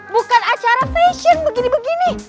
bukan acara fashion begini begini